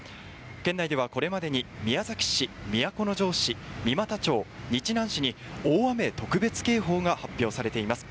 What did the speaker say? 県内ではこれまでに宮崎市、都城市三股町、日南市に大雨特別警報が発表されています。